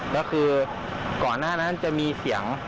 แล้วคือก่อนหน้านั้นจะมีเสียง